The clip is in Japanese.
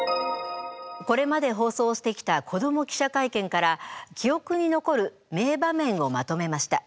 これまで放送してきた「子ども記者会見」から記憶に残る名場面をまとめました。